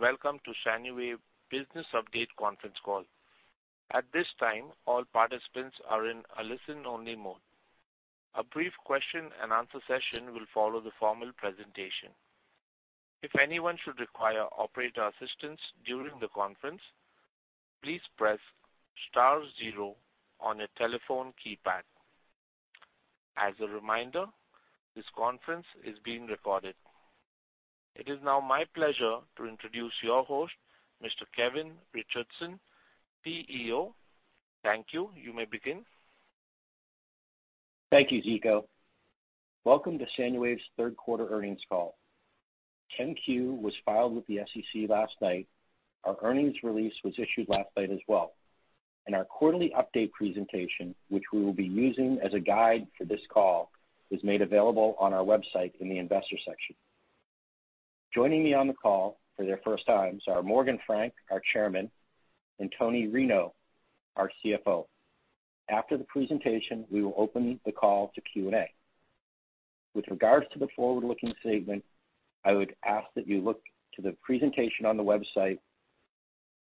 Welcome to SANUWAVE business Update conference call. At this time, all participants are in a listen-only mode. A brief question-and-answer session will follow the formal presentation. If anyone should require operator assistance during the conference, please press star zero on your telephone keypad. As a reminder, this conference is being recorded. It is now my pleasure to introduce your host, Mr. Kevin Richardson, CEO. Thank you. You may begin. Thank you, Ziko. Welcome to SANUWAVE's third quarter earnings call. 10-Q was filed with the SEC last night. Our earnings release was issued last night as well, and our quarterly update presentation, which we will be using as a guide for this call, was made available on our website in the investor section. Joining me on the call for their first times are Morgan Frank, our Chairman, and Toni Rinow, our CFO. After the presentation, we will open the call to Q&A. With regards to the forward-looking statement, I would ask that you look to the presentation on the website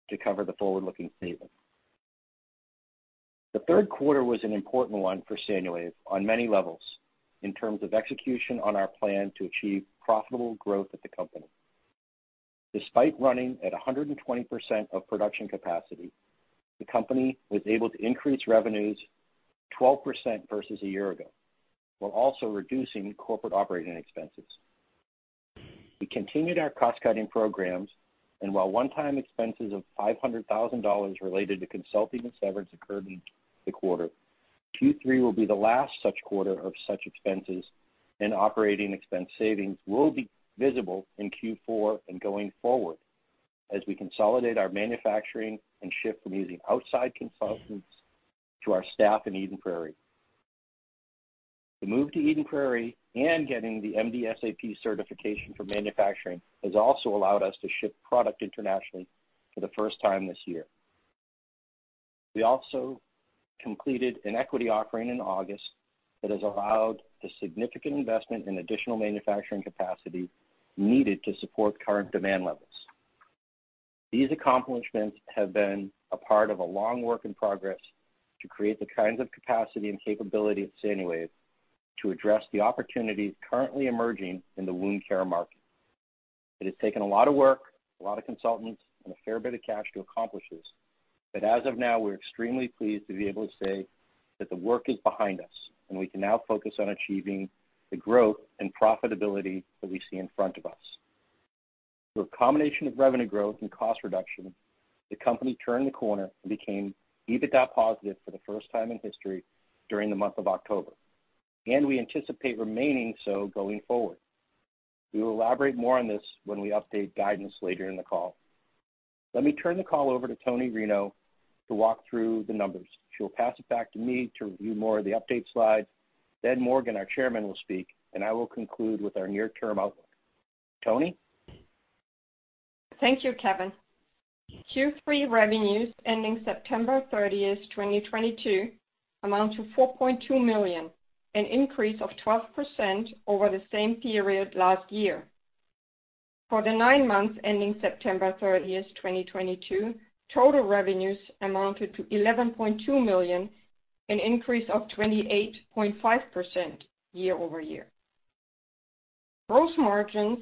to cover the forward-looking statement. The third quarter was an important one for SANUWAVE on many levels in terms of execution on our plan to achieve profitable growth at the company. Despite running at 120% of production capacity, the company was able to increase revenues 12% versus a year ago, while also reducing corporate operating expenses. We continued our cost-cutting programs, and while one-time expenses of $500,000 related to consulting and severance occurred in the quarter, Q3 will be the last such quarter of such expenses, and operating expense savings will be visible in Q4 and going forward as we consolidate our manufacturing and shift from using outside consultants to our staff in Eden Prairie. The move to Eden Prairie and getting the MDSAP certification for manufacturing has also allowed us to ship product internationally for the first time this year. We also completed an equity offering in August that has allowed the significant investment in additional manufacturing capacity needed to support current demand levels. These accomplishments have been a part of a long work in progress to create the kinds of capacity and capability at SANUWAVE to address the opportunities currently emerging in the wound care market. It has taken a lot of work, a lot of consultants, and a fair bit of cash to accomplish this. As of now, we're extremely pleased to be able to say that the work is behind us, and we can now focus on achieving the growth and profitability that we see in front of us. Through a combination of revenue growth and cost reduction, the company turned the corner and became EBITDA positive for the first time in history during the month of October, and we anticipate remaining so going forward. We will elaborate more on this when we update guidance later in the call. Let me turn the call over to Toni Rinow to walk through the numbers. She'll pass it back to me to review more of the update slides. Morgan, our Chairman, will speak, and I will conclude with our near-term outlook. Toni. Thank you, Kevin. Q3 revenues ending September 30, 2022 amounted to $4.2 million, an increase of 12% over the same period last year. For the nine months ending September 30, 2022, total revenues amounted to $11.2 million, an increase of 28.5% year-over-year. Gross margins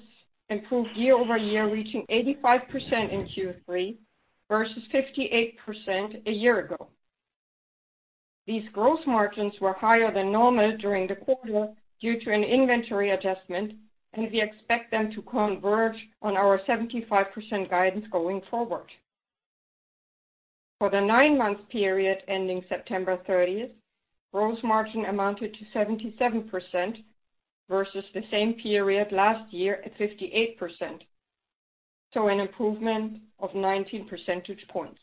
improved year-over-year, reaching 85% in Q3 versus 58% a year ago. These gross margins were higher than normal during the quarter due to an inventory adjustment, and we expect them to converge on our 75% guidance going forward. For the nine-month period ending September 30, gross margin amounted to 77% versus the same period last year at 58%, so an improvement of 19 percentage points.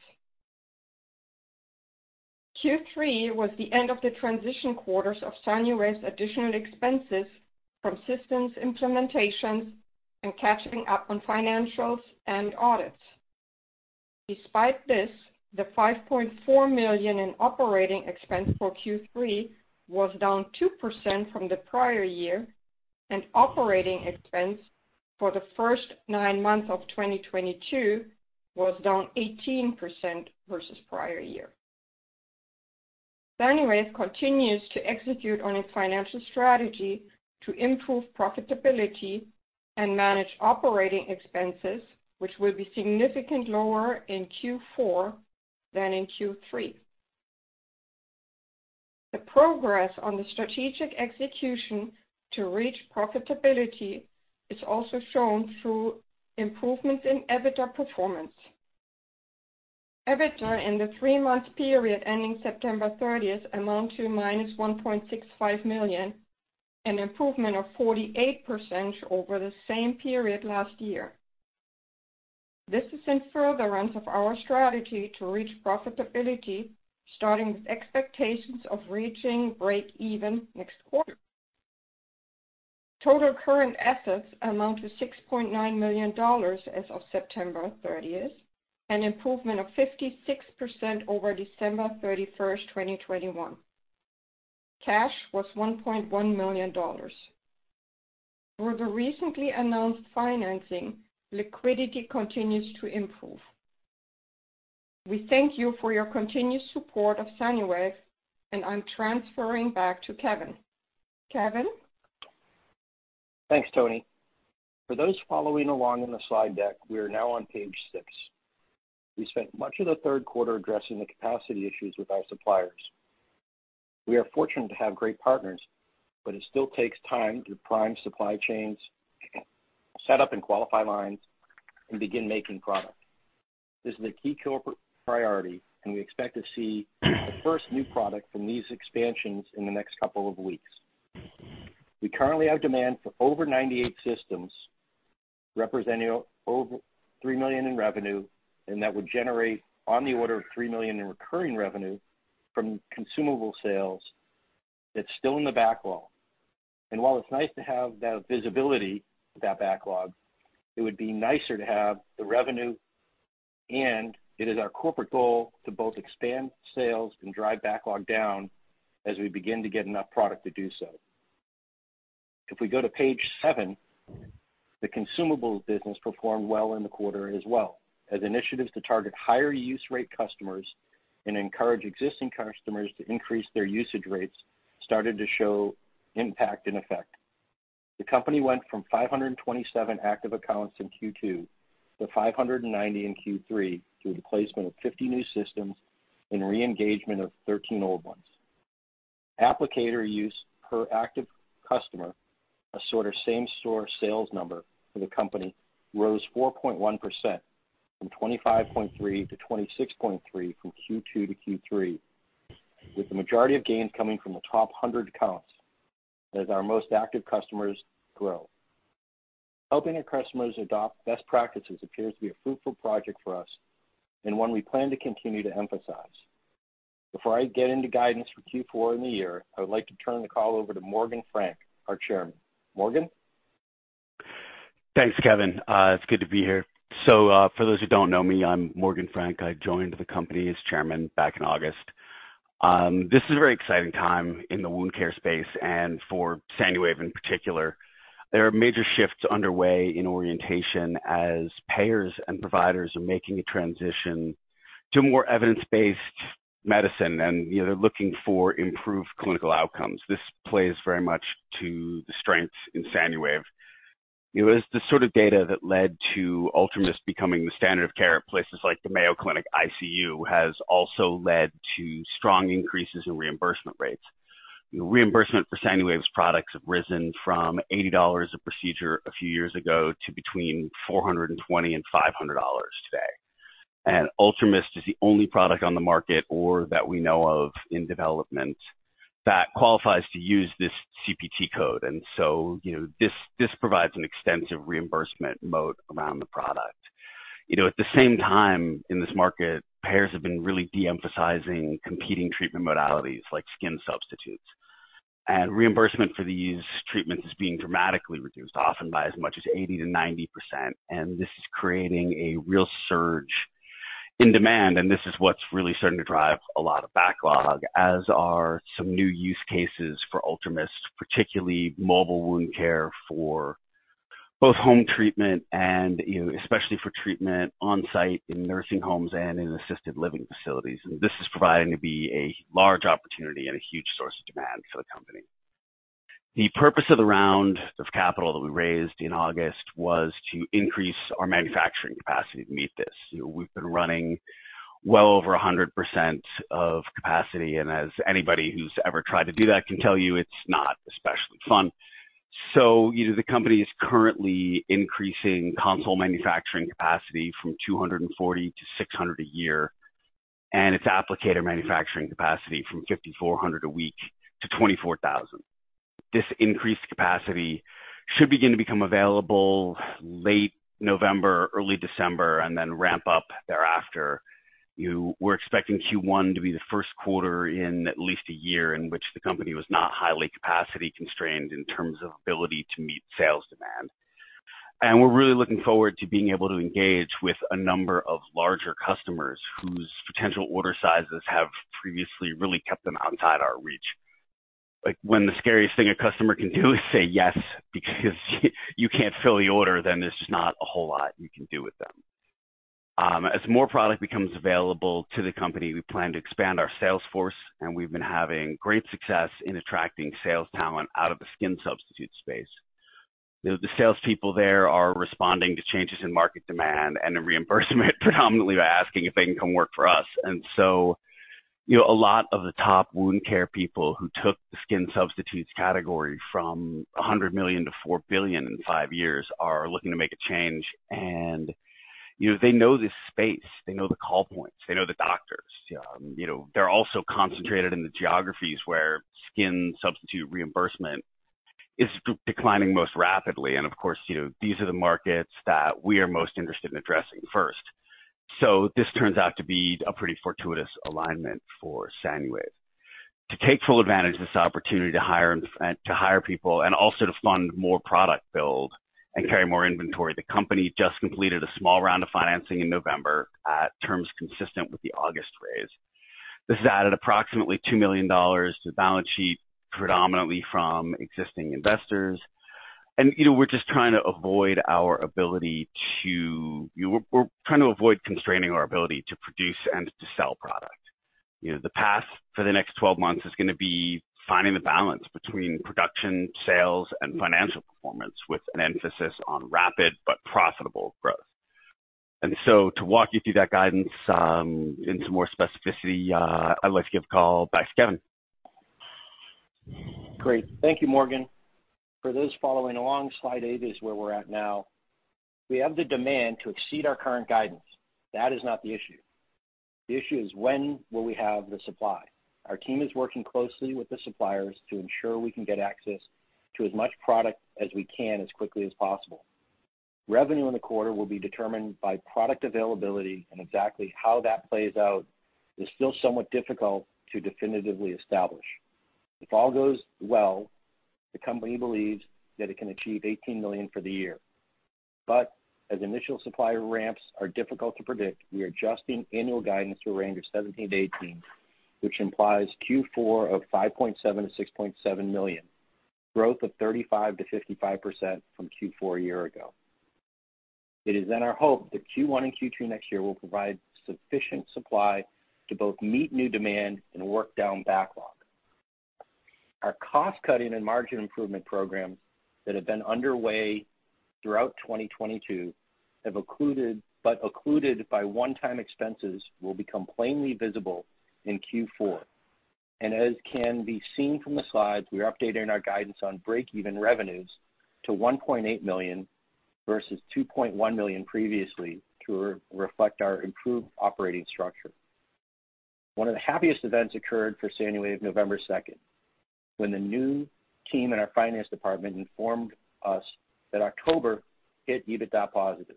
Q3 was the end of the transition quarters of SANUWAVE's additional expenses from systems implementations and catching up on financials and audits. Despite this, the $5.4 million in operating expense for Q3 was down 2% from the prior year, and operating expense for the first nine months of 2022 was down 18% versus prior year. SANUWAVE continues to execute on its financial strategy to improve profitability and manage operating expenses, which will be significantly lower in Q4 than in Q3. The progress on the strategic execution to reach profitability is also shown through improvements in EBITDA performance. EBITDA in the three-month period ending September 30 amount to -$1.65 million, an improvement of 48% over the same period last year. This is in furtherance of our strategy to reach profitability, starting with expectations of reaching break even next quarter. Total current assets amount to $6.9 million as of September 30, 2021, an improvement of 56% over December 31, 2021. Cash was $1.1 million. For the recently announced financing, liquidity continues to improve. We thank you for your continued support of SANUWAVE, and I'm transferring back to Kevin. Kevin? Thanks, Toni. For those following along in the slide deck, we are now on page six. We spent much of the third quarter addressing the capacity issues with our suppliers. We are fortunate to have great partners, but it still takes time to prime supply chains, set up and qualify lines, and begin making product. This is a key corporate priority, and we expect to see the first new product from these expansions in the next couple of weeks. We currently have demand for over 98 systems, representing over $3 million in revenue, and that would generate on the order of $3 million in recurring revenue from consumable sales that's still in the backlog. While it's nice to have that visibility of that backlog, it would be nicer to have the revenue. It is our corporate goal to both expand sales and drive backlog down as we begin to get enough product to do so. If we go to page seven, the consumables business performed well in the quarter as well, as initiatives to target higher use rate customers and encourage existing customers to increase their usage rates started to show impact and effect. The company went from 527 active accounts in Q2 to 590 in Q3 through the placement of 50 new systems and re-engagement of 13 old ones. Applicator use per active customer, a sort of same-store sales number for the company, rose 4.1% from 25.3-26.3 from Q2 to Q3, with the majority of gains coming from the top 100 accounts as our most active customers grow. Helping our customers adopt best practices appears to be a fruitful project for us and one we plan to continue to emphasize. Before I get into guidance for Q4 in the year, I would like to turn the call over to Morgan Frank, our Chairman. Morgan? Thanks, Kevin. It's good to be here. For those who don't know me, I'm Morgan Frank. I joined the company as Chairman back in August. This is a very exciting time in the wound care space and for SANUWAVE in particular. There are major shifts underway in orientation as payers and providers are making a transition to more evidence-based medicine, and, you know, they're looking for improved clinical outcomes. This plays very much to the strengths in SANUWAVE. It was the sort of data that led to UltraMIST becoming the standard of care at places like the Mayo Clinic ICU. Has also led to strong increases in reimbursement rates. Reimbursement for SANUWAVE's products have risen from $80 a procedure a few years ago to between $420 and $500 today. UltraMIST is the only product on the market or that we know of in development that qualifies to use this CPT code. You know, this provides an extensive reimbursement moat around the product. You know, at the same time in this market, payers have been really de-emphasizing competing treatment modalities like skin substitutes. Reimbursement for these treatments is being dramatically reduced, often by as much as 80%-90%. This is creating a real surge in demand, and this is what's really starting to drive a lot of backlog, as are some new use cases for UltraMIST, particularly mobile wound care for both home treatment and, you know, especially for treatment on-site in nursing homes and in assisted living facilities. This is proving to be a large opportunity and a huge source of demand for the company. The purpose of the round of capital that we raised in August was to increase our manufacturing capacity to meet this. We've been running well over 100% of capacity, and as anybody who's ever tried to do that can tell you, it's not especially fun. You know, the company is currently increasing console manufacturing capacity from 240-600 a year, and its applicator manufacturing capacity from 5,400 a week to 24,000. This increased capacity should begin to become available late November, early December, and then ramp up thereafter. You know, we're expecting Q1 to be the first quarter in at least a year in which the company was not highly capacity constrained in terms of ability to meet sales demand. We're really looking forward to being able to engage with a number of larger customers whose potential order sizes have previously really kept them outside our reach. Like when the scariest thing a customer can do is say yes because you can't fill the order, then there's just not a whole lot you can do with them. As more product becomes available to the company, we plan to expand our sales force, and we've been having great success in attracting sales talent out of the skin substitutes space. The salespeople there are responding to changes in market demand and in reimbursement predominantly by asking if they can come work for us. You know, a lot of the top wound care people who took the skin substitutes category from $100 million to $4 billion in five years are looking to make a change. You know, they know this space. They know the call points, they know the doctors. You know, they're also concentrated in the geographies where skin substitute reimbursement is declining most rapidly. Of course, you know, these are the markets that we are most interested in addressing first. This turns out to be a pretty fortuitous alignment for SANUWAVE. To take full advantage of this opportunity to hire people and also to fund more product build and carry more inventory, the company just completed a small round of financing in November at terms consistent with the August raise. This added approximately $2 million to the balance sheet, predominantly from existing investors. You know, we're just trying to avoid constraining our ability to produce and to sell product. You know, the path for the next 12 months is gonna be finding the balance between production, sales, and financial performance, with an emphasis on rapid but profitable growth. To walk you through that guidance into more specificity, I'd like to give the call back to Kevin. Great. Thank you, Morgan. For those following along, slide 8 is where we're at now. We have the demand to exceed our current guidance. That is not the issue. The issue is when will we have the supply? Our team is working closely with the suppliers to ensure we can get access to as much product as we can as quickly as possible. Revenue in the quarter will be determined by product availability, and exactly how that plays out is still somewhat difficult to definitively establish. If all goes well, the company believes that it can achieve $18 million for the year. As initial supplier ramps are difficult to predict, we are adjusting annual guidance to a range of $17 million-$18 million, which implies Q4 of $5.7 million-$6.7 million, growth of 35%-55% from Q4 a year ago. It is our hope that Q1 and Q2 next year will provide sufficient supply to both meet new demand and work down backlog. Our cost-cutting and margin improvement programs that have been underway throughout 2022 have clouded, but clouded by one-time expenses, will become plainly visible in Q4. As can be seen from the slides, we are updating our guidance on break-even revenues to $1.8 million versus $2.1 million previously to re-reflect our improved operating structure. One of the happiest events occurred for SANUWAVE November second, when the new team in our finance department informed us that October hit EBITDA positive.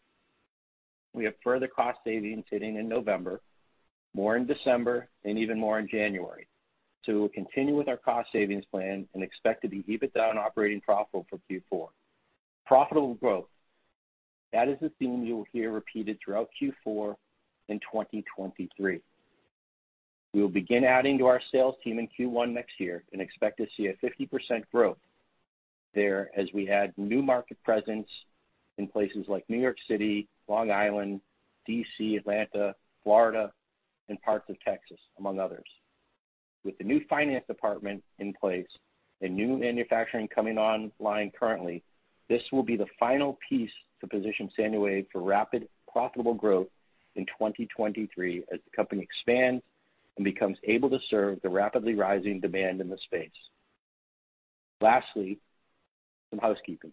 We have further cost savings hitting in November, more in December, and even more in January to continue with our cost savings plan and expect to be EBITDA and operating profit for Q4. Profitable growth. That is the theme you will hear repeated throughout Q4 in 2023. We will begin adding to our sales team in Q1 next year and expect to see a 50% growth there as we add new market presence in places like New York City, Long Island, D.C., Atlanta, Florida, and parts of Texas, among others. With the new finance department in place and new manufacturing coming online currently, this will be the final piece to position SANUWAVE for rapid, profitable growth in 2023 as the company expands and becomes able to serve the rapidly rising demand in the space. Lastly, some housekeeping.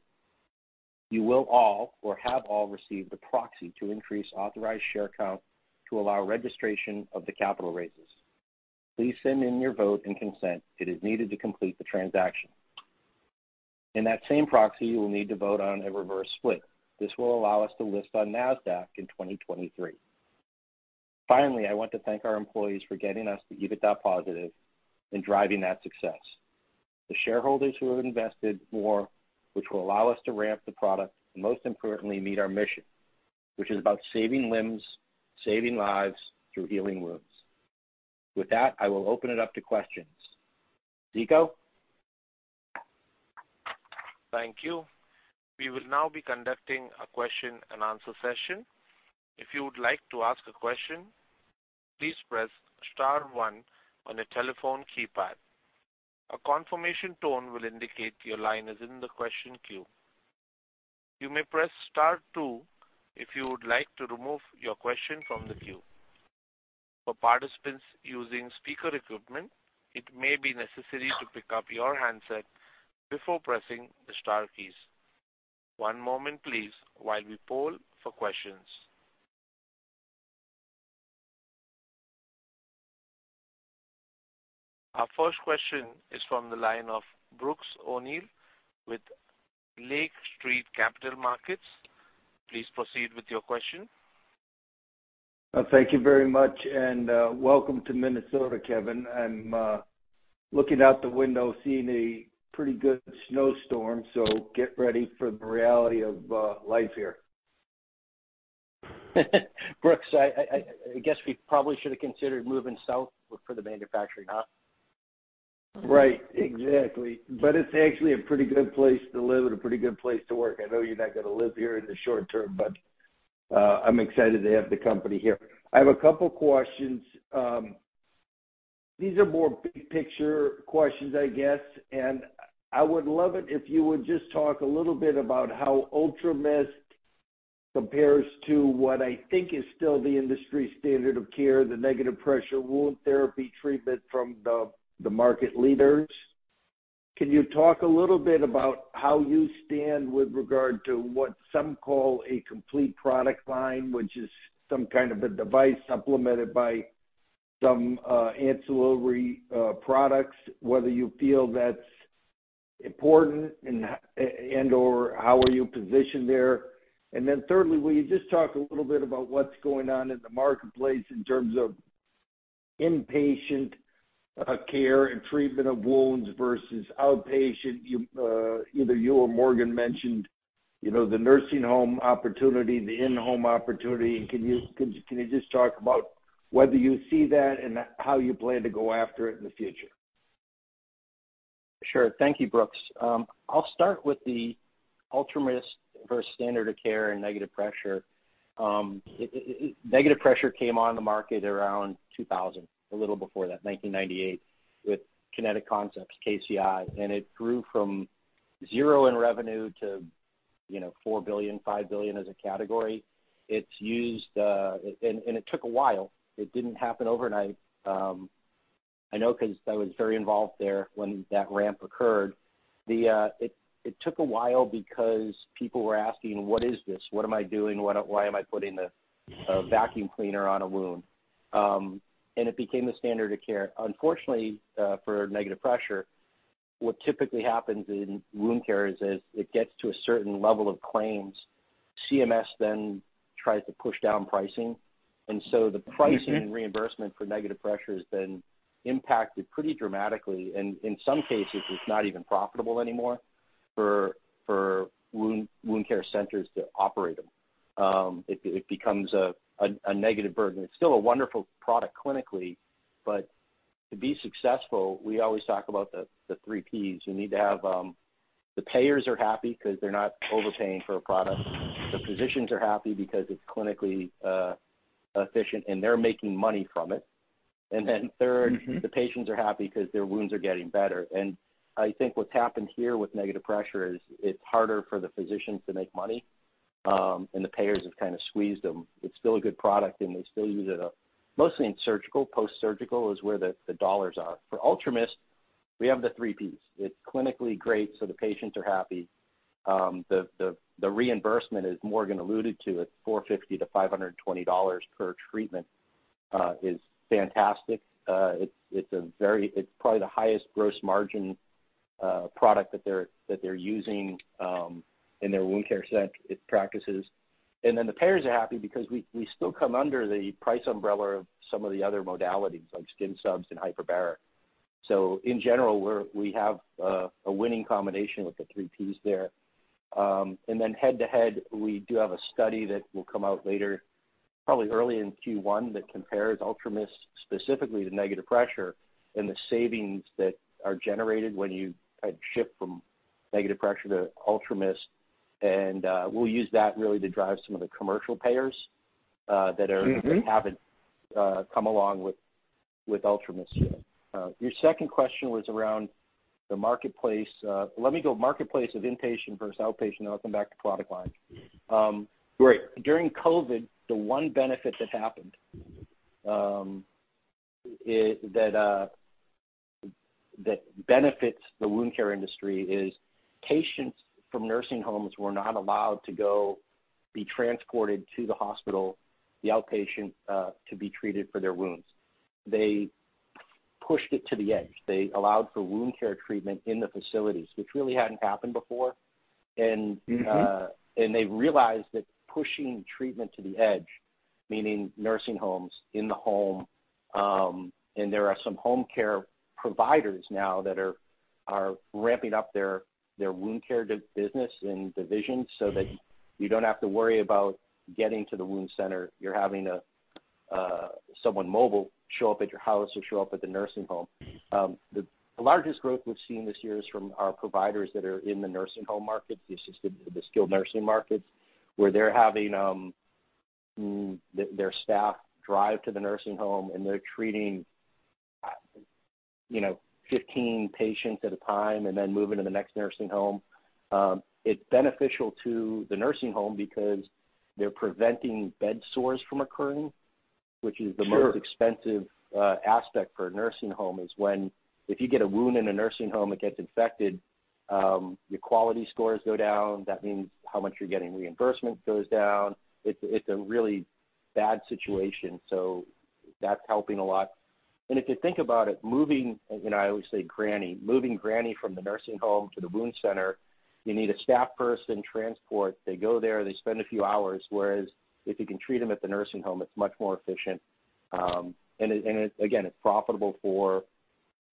You will all or have all received the proxy to increase authorized share count to allow registration of the capital raises. Please send in your vote and consent. It is needed to complete the transaction. In that same proxy, you will need to vote on a reverse split. This will allow us to list on Nasdaq in 2023. Finally, I want to thank our employees for getting us to EBITDA positive and driving that success. The shareholders who have invested more, which will allow us to ramp the product and most importantly, meet our mission, which is about saving limbs, saving lives through healing wounds. With that, I will open it up to questions. Ziko? Thank you. We will now be conducting a question and answer session. If you would like to ask a question, please press star one on your telephone keypad. A confirmation tone will indicate your line is in the question queue. You may press star two if you would like to remove your question from the queue. For participants using speaker equipment, it may be necessary to pick up your handset before pressing the star keys. One moment, please, while we poll for questions. Our first question is from the line of Brooks O'Neil with Lake Street Capital Markets. Please proceed with your question. Thank you very much, and welcome to Minnesota, Kevin. I'm looking out the window, seeing a pretty good snowstorm, so get ready for the reality of life here. Brooks, I guess we probably should have considered moving south for the manufacturing, huh? Right, exactly. It's actually a pretty good place to live and a pretty good place to work. I know you're not gonna live here in the short term, but, I'm excited to have the company here. I have a couple questions. These are more big picture questions, I guess, and I would love it if you would just talk a little bit about how UltraMIST compares to what I think is still the industry standard of care, the negative pressure wound therapy treatment from the market leaders. Can you talk a little bit about how you stand with regard to what some call a complete product line, which is some kind of a device supplemented by some ancillary products, whether you feel that's important and/or how are you positioned there? Thirdly, will you just talk a little bit about what's going on in the marketplace in terms of inpatient care and treatment of wounds versus outpatient? You either you or Morgan mentioned. You know, the nursing home opportunity, the in-home opportunity, and can you just talk about whether you see that and how you plan to go after it in the future? Sure. Thank you, Brooks. I'll start with the UltraMIST versus standard of care and negative pressure. Negative pressure came on the market around 2000, a little before that, 1998, with Kinetic Concepts, KCI, and it grew from zero in revenue to $4 billion-$5 billion as a category. It's used, and it took a while. It didn't happen overnight. I know because I was very involved there when that ramp occurred. It took a while because people were asking, "What is this? What am I doing? Why am I putting a vacuum cleaner on a wound?" It became the standard of care. Unfortunately, for negative pressure, what typically happens in wound care is as it gets to a certain level of claims, CMS then tries to push down pricing. The pricing and reimbursement for negative pressure has been impacted pretty dramatically. In some cases, it's not even profitable anymore for wound care centers to operate them. It becomes a negative burden. It's still a wonderful product clinically, but to be successful, we always talk about the three Ps. You need to have the payers are happy because they're not overpaying for a product. The physicians are happy because it's clinically efficient, and they're making money from it. Then third, the patients are happy because their wounds are getting better. I think what's happened here with negative pressure is it's harder for the physicians to make money, and the payers have kind of squeezed them. It's still a good product, and they still use it mostly in surgical. Post-surgical is where the dollars are. For UltraMIST, we have the three Ps. It's clinically great, so the patients are happy. The reimbursement, as Morgan alluded to, it's $450-$520 per treatment, is fantastic. It's probably the highest gross margin product that they're using in their wound care centers. The payers are happy because we still come under the price umbrella of some of the other modalities like skin subs and hyperbaric. In general, we have a winning combination with the three Ps there. Head-to-head, we do have a study that will come out later, probably early in Q1, that compares UltraMIST specifically to negative pressure and the savings that are generated when you shift from negative pressure to UltraMIST. We'll use that really to drive some of the commercial payers that are. Mm-hmm Haven't come along with UltraMIST yet. Your second question was around the marketplace. Let me go marketplace of inpatient versus outpatient, and I'll come back to product line. Great During COVID, the one benefit that happened is that patients from nursing homes were not allowed to go be transported to the hospital, the outpatient, to be treated for their wounds. They pushed it to the edge. They allowed for wound care treatment in the facilities, which really hadn't happened before. Mm-hmm They realized that pushing treatment to the edge, meaning nursing homes, in the home, and there are some home care providers now that are ramping up their wound care business and divisions so that you don't have to worry about getting to the wound center. You're having a someone mobile show up at your house or show up at the nursing home. The largest growth we've seen this year is from our providers that are in the nursing home market, the assisted, the skilled nursing markets, where they're having their staff drive to the nursing home, and they're treating, you know, 15 patients at a time and then moving to the next nursing home. It's beneficial to the nursing home because they're preventing bed sores from occurring, which is. Sure Most expensive aspect for a nursing home is when if you get a wound in a nursing home, it gets infected, your quality scores go down. That means how much you're getting reimbursement goes down. It's a really bad situation, so that's helping a lot. If you think about it, I always say granny moving granny from the nursing home to the wound center, you need a staff person, transport. They go there. They spend a few hours. Whereas if you can treat them at the nursing home, it's much more efficient. It again is profitable for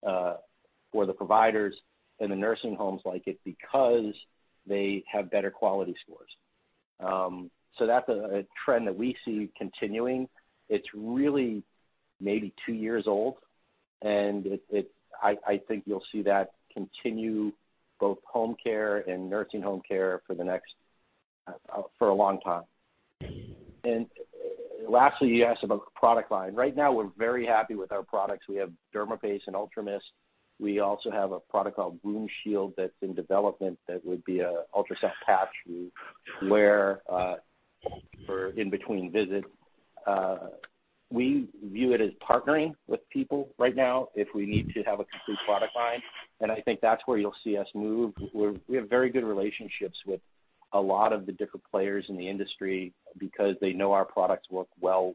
the providers, and the nursing homes like it because they have better quality scores. That's a trend that we see continuing. It's really maybe two years old. I think you'll see that continue both home care and nursing home care for the next for a long time. Lastly, you asked about the product line. Right now, we're very happy with our products. We have dermaPACE and UltraMIST. We also have a product called WoundShield that's in development that would be an ultrasound patch you wear for in between visits. We view it as partnering with people right now if we need to have a complete product line, and I think that's where you'll see us move. We have very good relationships with a lot of the different players in the industry because they know our products work well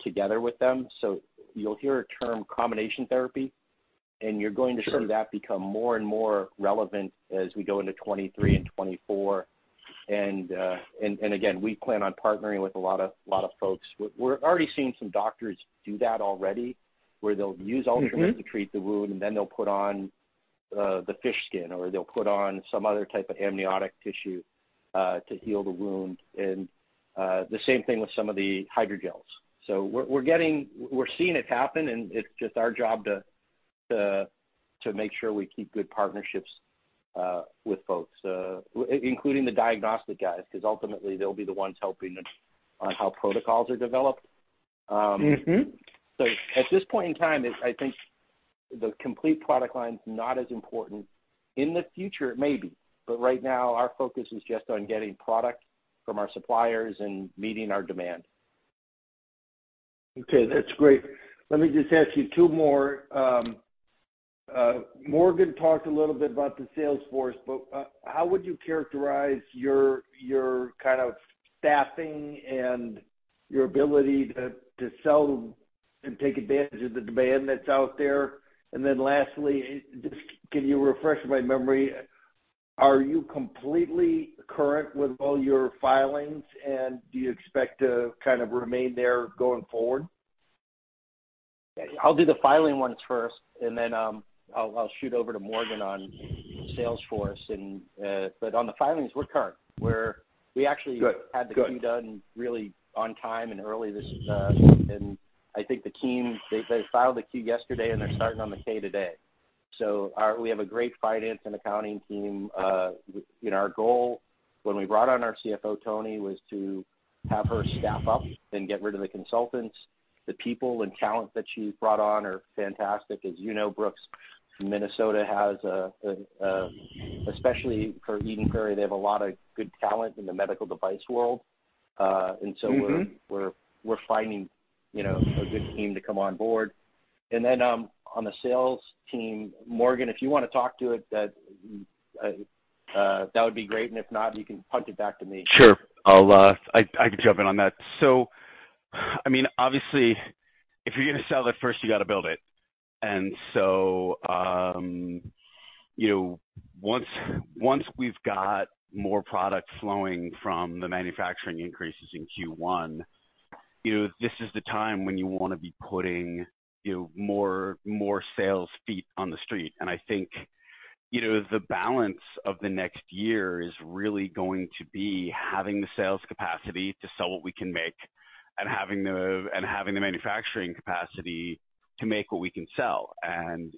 together with them. So you'll hear a term combination therapy, and you're going to see Sure That become more and more relevant as we go into 2023 and 2024. Again, we plan on partnering with a lot of folks. We're already seeing some doctors do that already. Where they'll use UltraMIST- Mm-hmm to treat the wound, and then they'll put on the fish skin or they'll put on some other type of amniotic tissue to heal the wound. The same thing with some of the hydrogels. We're seeing it happen, and it's just our job to make sure we keep good partnerships with folks, including the diagnostic guys, because ultimately, they'll be the ones helping us on how protocols are developed. Mm-hmm. At this point in time, it's, I think, the complete product line is not as important. In the future, it may be. Right now, our focus is just on getting product from our suppliers and meeting our demand. Okay, that's great. Let me just ask you two more. Morgan talked a little bit about the sales force, but how would you characterize your kind of staffing and your ability to sell and take advantage of the demand that's out there? Lastly, just can you refresh my memory, are you completely current with all your filings, and do you expect to kind of remain there going forward? I'll do the filing ones first, and then, I'll shoot over to Morgan on salesforce. But on the filings, we're current. We actually. Good. Good Had the Q done really on time and early this. I think the team they filed the Q yesterday, and they're starting on the K today. We have a great finance and accounting team. You know, our goal when we brought on our CFO, Toni, was to have her staff up and get rid of the consultants. The people and talent that she's brought on are fantastic. As you know, Brooks, Minnesota has a especially for Eden Prairie, they have a lot of good talent in the medical device world. Mm-hmm... we're finding, you know, a good team to come on board. On the sales team, Morgan, if you wanna talk to it, that would be great. If not, you can punt it back to me. Sure. I'll, I can jump in on that. I mean, obviously, if you're gonna sell it first, you gotta build it. You know, once we've got more product flowing from the manufacturing increases in Q1, you know, this is the time when you wanna be putting, you know, more sales feet on the street. I think, you know, the balance of the next year is really going to be having the sales capacity to sell what we can make and having the manufacturing capacity to make what we can sell.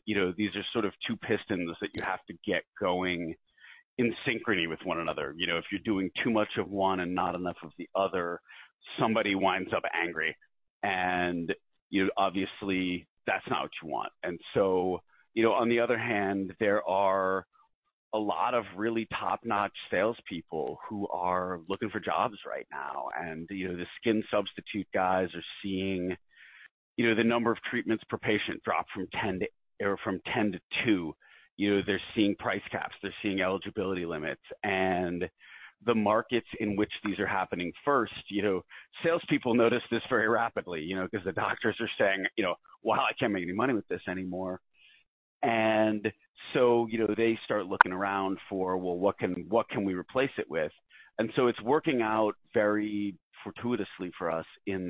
You know, these are sort of two pistons that you have to get going in synchrony with one another. You know, if you're doing too much of one and not enough of the other, somebody winds up angry. You know, obviously, that's not what you want. You know, on the other hand, there are a lot of really top-notch salespeople who are looking for jobs right now. You know, the skin substitute guys are seeing, you know, the number of treatments per patient drop from 10 to two. You know, they're seeing price caps. They're seeing eligibility limits. The markets in which these are happening first, you know, salespeople notice this very rapidly, you know, because the doctors are saying, you know, "Wow, I can't make any money with this anymore." You know, they start looking around for, well, what can we replace it with? It's working out very fortuitously for us in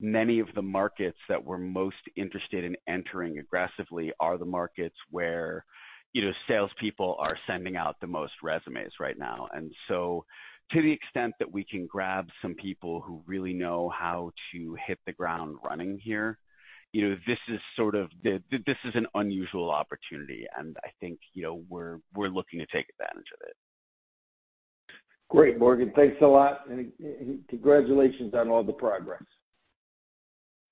that many of the markets that we're most interested in entering aggressively are the markets where, you know, salespeople are sending out the most resumes right now. To the extent that we can grab some people who really know how to hit the ground running here, you know, this is sort of this is an unusual opportunity, and I think, you know, we're looking to take advantage of it. Great, Morgan. Thanks a lot. Congratulations on all the progress.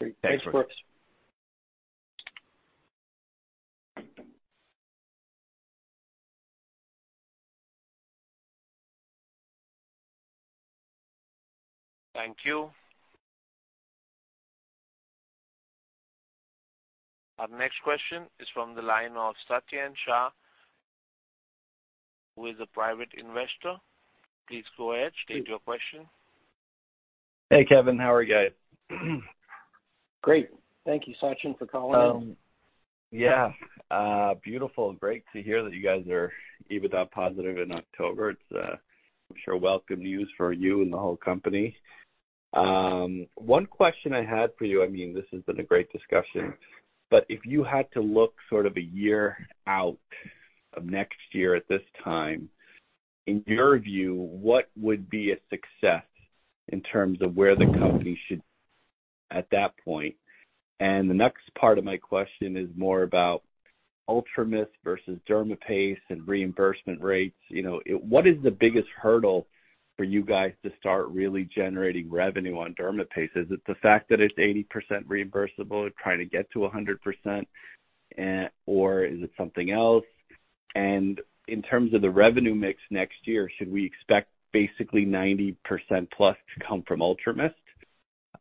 Great. Thanks, Brooks. Thanks. Thank you. Our next question is from the line of Sachin Shah with the Private Investor. Please go ahead. State your question. Hey, Kevin. How are you? Great. Thank you, Sachin, for calling in. Beautiful. Great to hear that you guys are EBITDA positive in October. It's, I'm sure, welcome news for you and the whole company. One question I had for you, I mean, this has been a great discussion, but if you had to look sort of a year out of next year at this time, in your view, what would be a success in terms of where the company should, at that point? The next part of my question is more about UltraMIST versus dermaPACE and reimbursement rates. You know, what is the biggest hurdle for you guys to start really generating revenue on dermaPACE? Is it the fact that it's 80% reimbursable and trying to get to 100%, or is it something else? In terms of the revenue mix next year, should we expect basically 90% plus to come from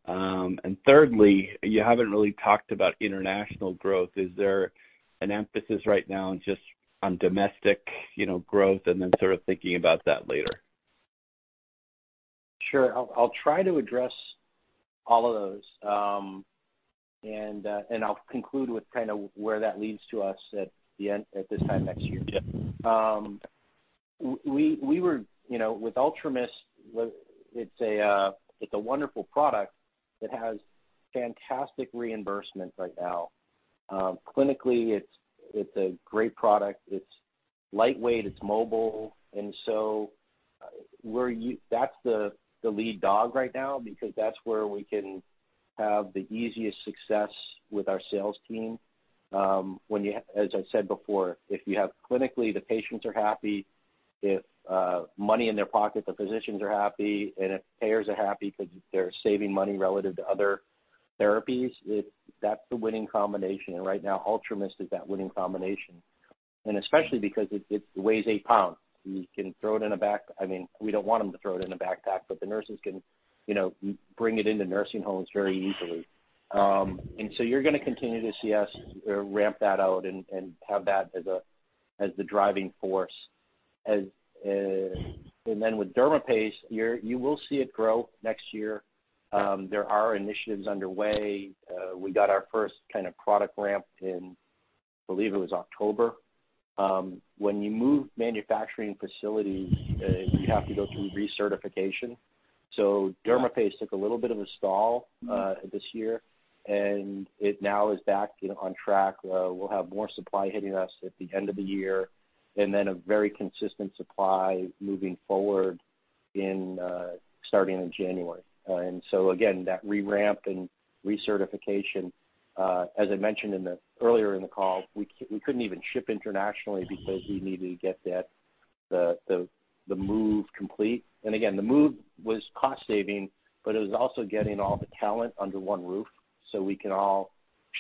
UltraMIST? Thirdly, you haven't really talked about international growth. Is there an emphasis right now just on domestic, you know, growth, and then sort of thinking about that later? Sure. I'll try to address all of those. I'll conclude with kinda where that leads to us at this time next year. Yeah. We were, you know, with UltraMIST. It's a wonderful product that has fantastic reimbursement right now. Clinically, it's a great product. It's lightweight, it's mobile, and so that's the lead dog right now because that's where we can have the easiest success with our sales team. As I said before, if you have clinically, the patients are happy. If money in their pocket, the physicians are happy. If payers are happy 'cause they're saving money relative to other therapies, that's the winning combination. Right now, UltraMIST is that winning combination. Especially because it weighs 8 lbs. You can throw it in a backpack. I mean, we don't want them to throw it in a backpack, but the nurses can, you know, bring it into nursing homes very easily. You're gonna continue to see us ramp that out and have that as the driving force. With dermaPACE, you will see it grow next year. There are initiatives underway. We got our first kind of product ramp in, believe it was October. When you move manufacturing facilities, you have to go through recertification. dermaPACE took a little bit of a stall this year, and it now is back, you know, on track. We'll have more supply hitting us at the end of the year, and then a very consistent supply moving forward starting in January. Again, that re-ramp and recertification, as I mentioned earlier in the call, we couldn't even ship internationally because we needed to get that move complete. Again, the move was cost saving, but it was also getting all the talent under one roof so we can all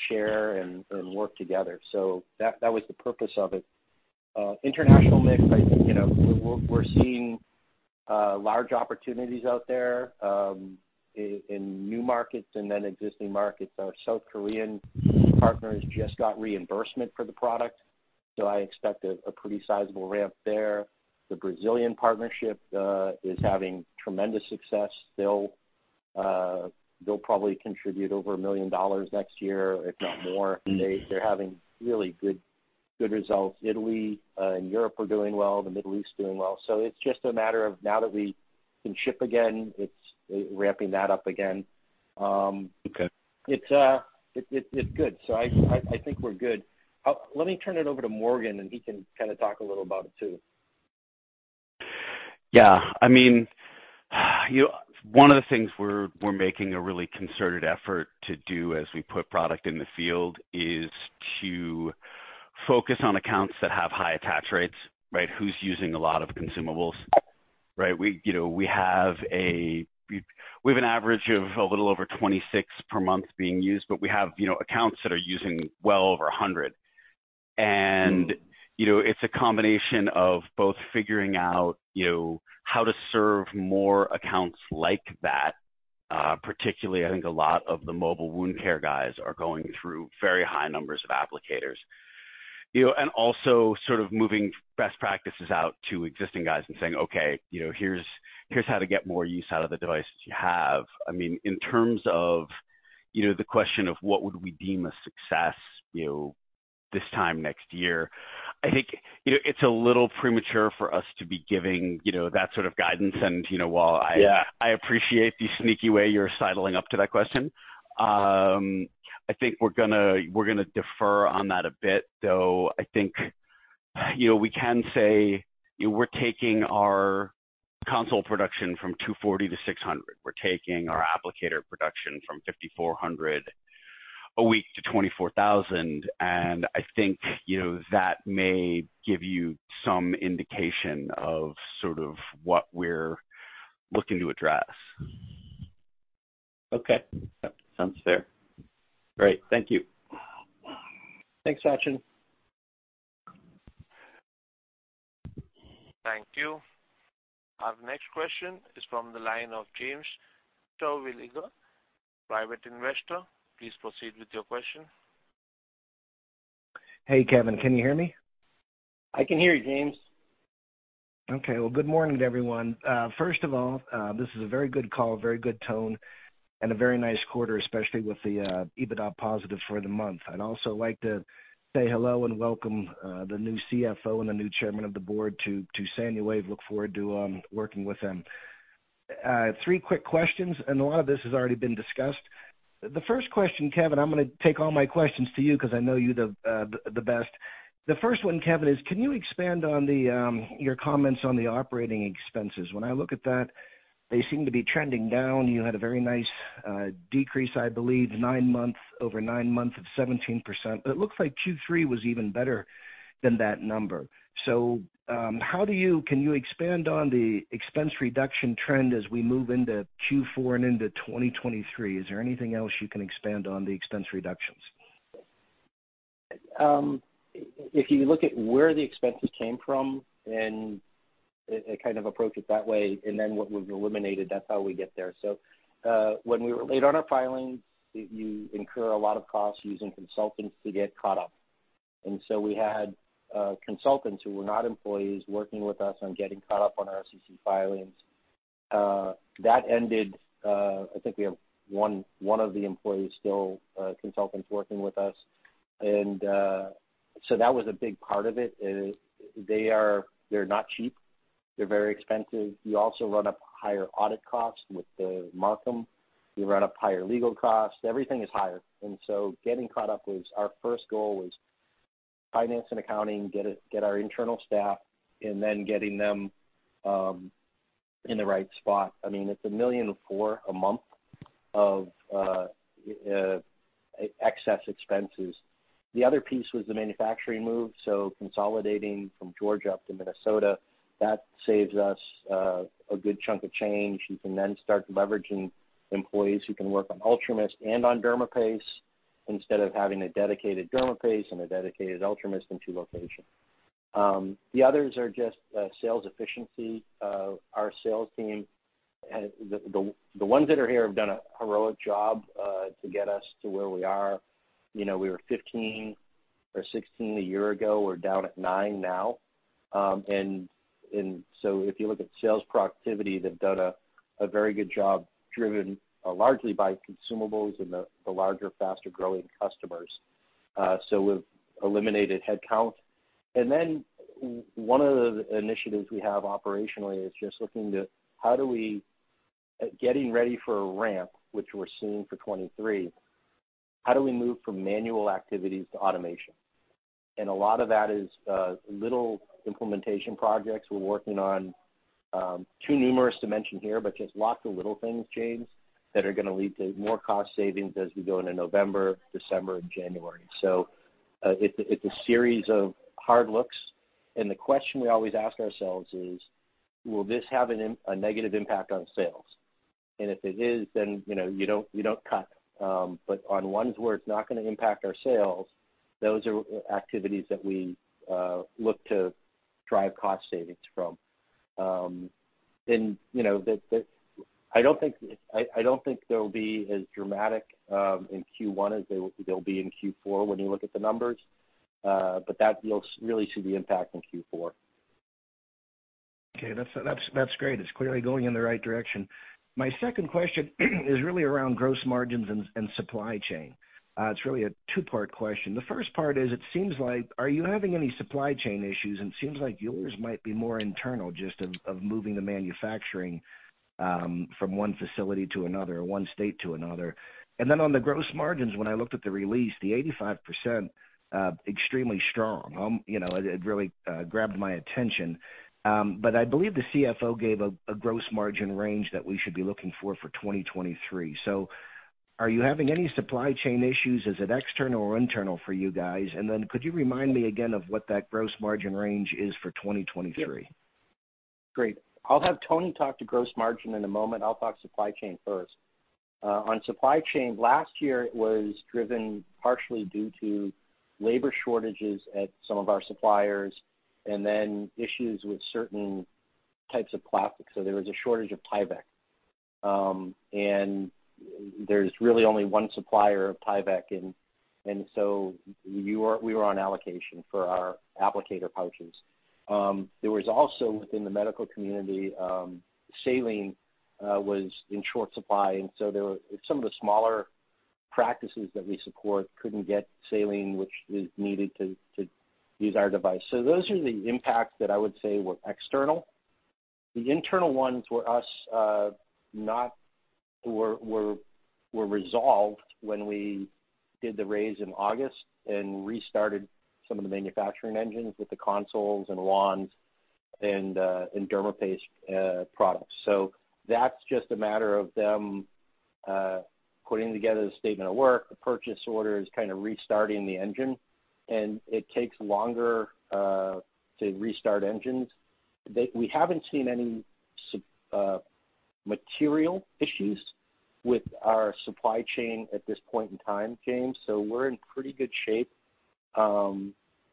share and work together. That was the purpose of it. International mix, I think, you know, we're seeing large opportunities out there in new markets and then existing markets. Our South Korean partner has just got reimbursement for the product, so I expect a pretty sizable ramp there. The Brazilian partnership is having tremendous success. They'll probably contribute over $1 million next year, if not more. They're having really good results. Italy and Europe are doing well. The Middle East is doing well. It's just a matter of now that we can ship again, it's ramping that up again. Okay. It's good. I think we're good. Let me turn it over to Morgan, and he can kinda talk a little about it too. Yeah. I mean, you know, one of the things we're making a really concerted effort to do as we put product in the field is to focus on accounts that have high attach rates, right? Who's using a lot of consumables, right? We have an average of a little over 26 per month being used, but we have accounts that are using well over 100. You know, it's a combination of both figuring out how to serve more accounts like that, particularly. I think a lot of the mobile wound care guys are going through very high numbers of applicators. You know, and also sort of moving best practices out to existing guys and saying, "Okay, you know, here's how to get more use out of the devices you have." I mean, in terms of, you know, the question of what would we deem a success, you know, this time next year, I think, you know, it's a little premature for us to be giving, you know, that sort of guidance. Yeah. I appreciate the sneaky way you're sidling up to that question. I think we're gonna defer on that a bit, though, I think, you know, we can say, you know, we're taking our console production from 240 to 600. We're taking our applicator production from 5,400 a week to 24,000. I think, you know, that may give you some indication of sort of what we're looking to address. Okay. That sounds fair. Great. Thank you. Thanks, Sachin. Thank you. Our next question is from the line of James Terwilliger, Private Investor. Please proceed with your question. Hey, Kevin. Can you hear me? I can hear you, James. Okay. Well, good morning, everyone. First of all, this is a very good call, a very good tone, and a very nice quarter, especially with the EBITDA positive for the month. I'd also like to say hello and welcome the new CFO and the new chairman of the board to SANUWAVE. Look forward to working with them. Three quick questions, and a lot of this has already been discussed. The first question, Kevin, I'm gonna take all my questions to you 'cause I know you the best. The first one, Kevin, is can you expand on your comments on the operating expenses? When I look at that, they seem to be trending down. You had a very nice decrease, I believe, nine-month over nine months of 17%. It looks like Q3 was even better than that number. Can you expand on the expense reduction trend as we move into Q4 and into 2023? Is there anything else you can expand on the expense reductions? If you look at where the expenses came from and kind of approach it that way and then what we've eliminated, that's how we get there. When we were late on our filings, you incur a lot of costs using consultants to get caught up. We had consultants who were not employees working with us on getting caught up on our SEC filings. That ended. I think we have one of the consultants still working with us. That was a big part of it, is they're not cheap. They're very expensive. You also run up higher audit costs with the Marcum. You run up higher legal costs. Everything is higher. Getting caught up was our first goal: finance and accounting, get our internal staff and then getting them in the right spot. I mean, it's $1.4 million a month of excess expenses. The other piece was the manufacturing move, consolidating from Georgia up to Minnesota. That saves us a good chunk of change. You can then start leveraging employees who can work on UltraMIST and on dermaPACE instead of having a dedicated dermaPACE and a dedicated UltraMIST in two locations. The others are just sales efficiency. Our sales team, the ones that are here have done a heroic job to get us to where we are. You know, we were 15 or 16 a year ago. We're down at nine now. If you look at sales productivity, they've done a very good job driven largely by consumables and the larger, faster-growing customers. We've eliminated headcount. One of the initiatives we have operationally is just looking at how we get ready for a ramp, which we're seeing for 2023. How do we move from manual activities to automation? A lot of that is little implementation projects we're working on, too numerous to mention here, but just lots of little things, James, that are gonna lead to more cost savings as we go into November, December and January. It's a series of hard looks. The question we always ask ourselves is, will this have a negative impact on sales? If it is, then, you know, you don't cut. On ones where it's not gonna impact our sales, those are activities that we look to drive cost savings from. You know, I don't think they'll be as dramatic in Q1 as they'll be in Q4 when you look at the numbers. That you'll really see the impact in Q4. Okay. That's great. It's clearly going in the right direction. My second question is really around gross margins and supply chain. It's really a two-part question. The first part is, it seems like are you having any supply chain issues? It seems like yours might be more internal just of moving the manufacturing from one facility to another or one state to another. And then on the gross margins, when I looked at the release, the 85% extremely strong. You know, it really grabbed my attention. But I believe the CFO gave a gross margin range that we should be looking for for 2023. Are you having any supply chain issues? Is it external or internal for you guys? Could you remind me again of what that gross margin range is for 2023? Yep. Great. I'll have Toni talk to gross margin in a moment. I'll talk supply chain first. On supply chain, last year it was driven partially due to labor shortages at some of our suppliers and then issues with certain types of plastic. There was a shortage of Tyvek. There's really only one supplier of Tyvek and so we were on allocation for our applicator pouches. There was also within the medical community saline was in short supply, and there were some of the smaller practices that we support couldn't get saline, which is needed to use our device. Those are the impacts that I would say were external. The internal ones were resolved when we did the raise in August and restarted some of the manufacturing engines with the consoles and wands and dermaPACE products. That's just a matter of them putting together the statement of work. The purchase order is kind of restarting the engine, and it takes longer to restart engines. We haven't seen any material issues with our supply chain at this point in time, James. We're in pretty good shape.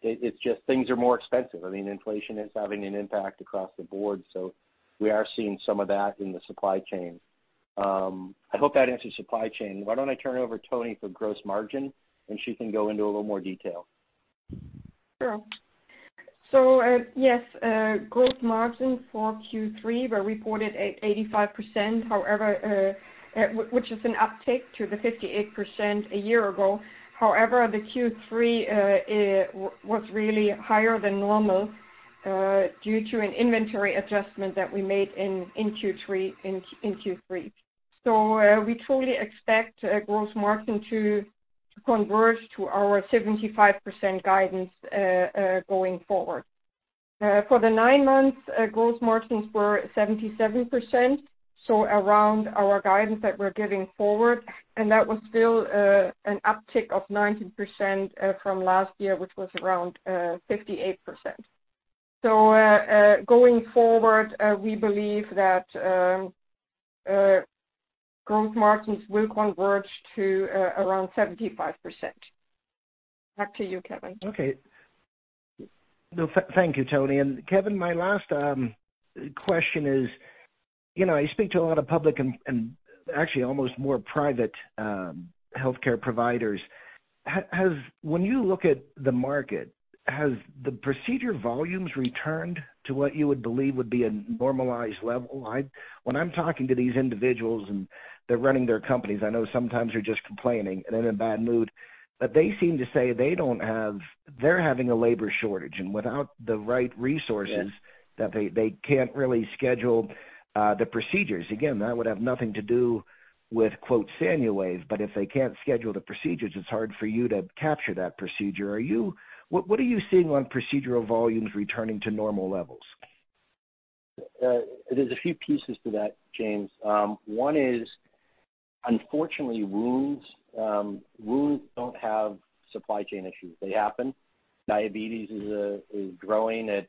It's just things are more expensive. I mean, inflation is having an impact across the board, so we are seeing some of that in the supply chain. I hope that answers supply chain. Why don't I turn it over to Toni for gross margin, and she can go into a little more detail. Sure. Yes, gross margin for Q3 were reported at 85%. However, which is an uptick from the 58% a year ago. However, the Q3 was really higher than normal due to an inventory adjustment that we made in Q3. We truly expect gross margin to converge to our 75% guidance going forward. For the nine months, gross margins were 77%, so around our guidance that we're giving going forward, and that was still an uptick of 19% from last year, which was around 58%. Going forward, we believe that gross margins will converge to around 75%. Back to you, Kevin. Okay. No, thank you, Toni. Kevin, my last question is, you know, I speak to a lot of public and actually almost more private healthcare providers. When you look at the market, has the procedure volumes returned to what you would believe would be a normalized level? When I'm talking to these individuals and they're running their companies, I know sometimes they're just complaining and in a bad mood, but they seem to say they don't have. They're having a labor shortage, and without the right resources. Yes. That they can't really schedule the procedures. Again, that would have nothing to do with quote SANUWAVE, but if they can't schedule the procedures, it's hard for you to capture that procedure. What are you seeing on procedural volumes returning to normal levels? There's a few pieces to that, James. One is unfortunately wounds don't have supply chain issues. They happen. Diabetes is growing at,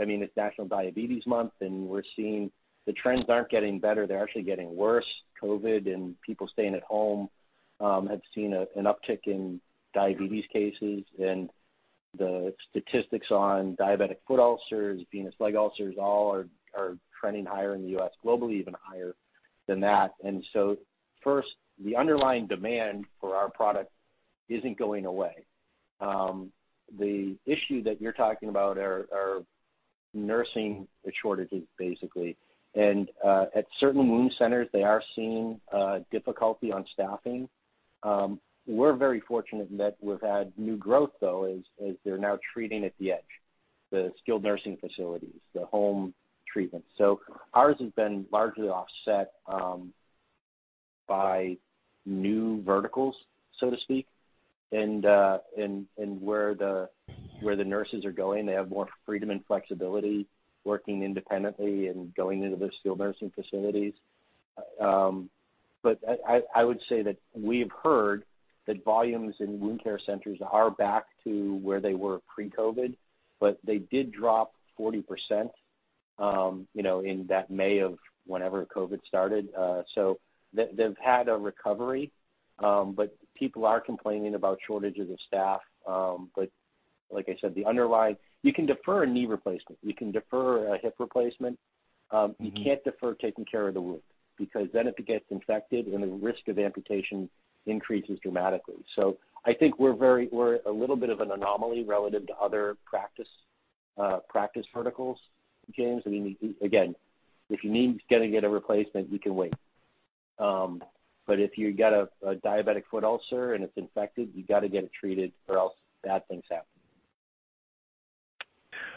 I mean, it's National Diabetes Month, and we're seeing the trends aren't getting better. They're actually getting worse. COVID and people staying at home have seen an uptick in diabetes cases. The statistics on diabetic foot ulcers, venous leg ulcers, all are trending higher in the U.S., globally even higher than that. First, the underlying demand for our product isn't going away. The issue that you're talking about are nursing shortages, basically. At certain wound centers, they are seeing difficulty on staffing. We're very fortunate that we've had new growth, though, as they're now treating at the edge, the skilled nursing facilities, the home treatment. Ours has been largely offset by new verticals, so to speak. Where the nurses are going, they have more freedom and flexibility working independently and going into the skilled nursing facilities. I would say that we've heard that volumes in wound care centers are back to where they were pre-COVID, but they did drop 40%, you know, in that May of whenever COVID started. They've had a recovery, but people are complaining about shortages of staff. Like I said, you can defer a knee replacement. You can defer a hip replacement. You can't defer taking care of the wound because then if it gets infected, then the risk of amputation increases dramatically. I think we're a little bit of an anomaly relative to other practice verticals, James. I mean, again, if your knee's gonna get a replacement, we can wait. But if you got a diabetic foot ulcer and it's infected, you gotta get it treated or else bad things happen.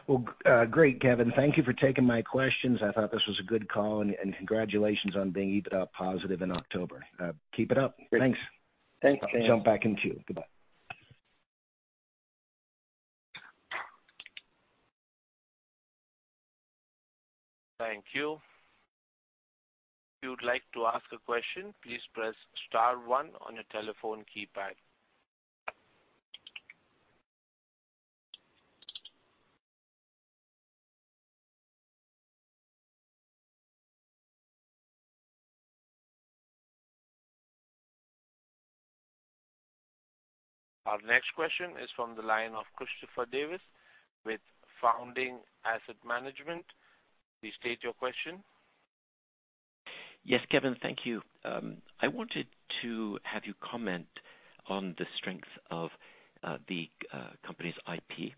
Well, great, Kevin. Thank you for taking my questions. I thought this was a good call, and congratulations on being positive in October. Keep it up. Great. Thanks. Thanks, James. I'll jump back in queue. Goodbye. Thank you. If you would like to ask a question, please press star one on your telephone keypad. Our next question is from the line of Christopher Davis with Founding Asset Management. Please state your question. Yes, Kevin. Thank you. I wanted to have you comment on the strength of the company's IP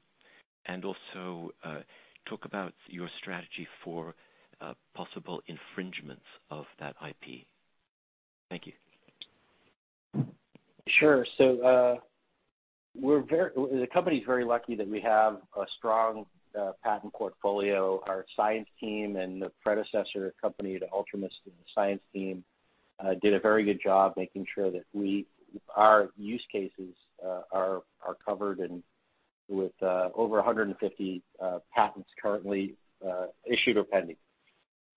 and also talk about your strategy for possible infringements of that IP. Thank you. Sure. The company's very lucky that we have a strong patent portfolio. Our science team and the predecessor company to UltraMIST and the science team did a very good job making sure that we, our use cases, are covered and with over 150 patents currently issued or pending.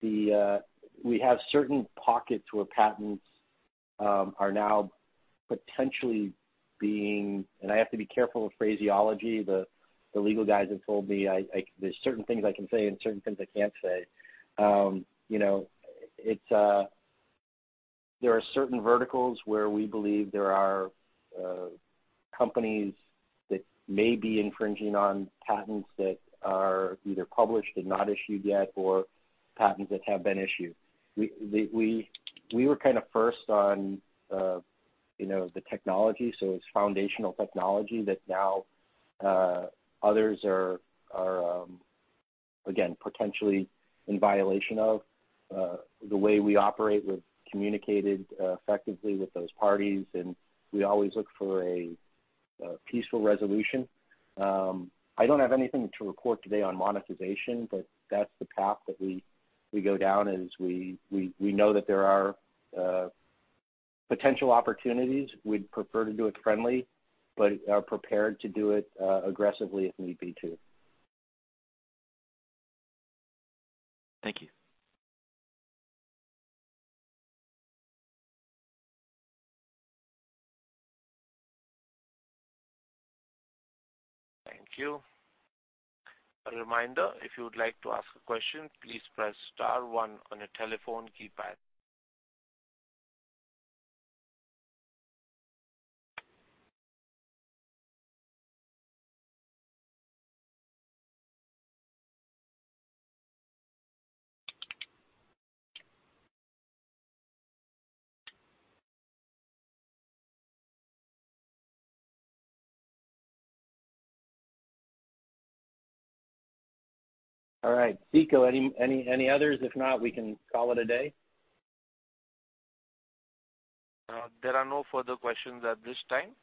We have certain pockets where patents are now potentially being and I have to be careful with phraseology. The legal guys have told me I there's certain things I can say and certain things I can't say. You know, it's there are certain verticals where we believe there are companies that may be infringing on patents that are either published and not issued yet or patents that have been issued. We were kinda first on, you know, the technology, so it's foundational technology that now others are again potentially in violation of. The way we operate, we've communicated effectively with those parties, and we always look for a peaceful resolution. I don't have anything to report today on monetization, but that's the path that we go down as we know that there are potential opportunities. We'd prefer to do it friendly, but are prepared to do it aggressively if need be too. Thank you. Thank you. A reminder, if you would like to ask a question, please press star one on your telephone keypad. All right. Ziko, any others? If not, we can call it a day. There are no further questions at this time.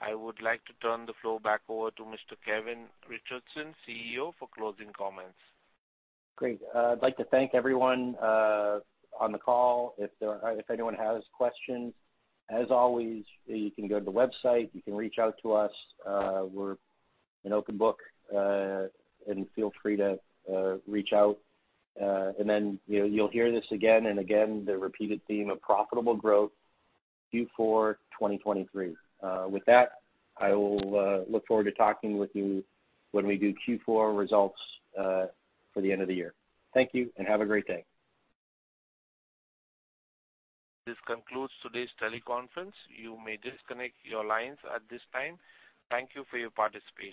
I would like to turn the floor back over to Mr. Kevin Richardson, CEO, for closing comments. Great. I'd like to thank everyone on the call. If anyone has questions, as always, you can go to the website, you can reach out to us. We're an open book, and feel free to reach out. You know, you'll hear this again and again, the repeated theme of profitable growth, Q4 2023. With that, I will look forward to talking with you when we do Q4 results for the end of the year. Thank you, and have a great day. This concludes today's teleconference. You may disconnect your lines at this time. Thank you for your participation.